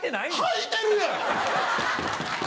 はいてるやん！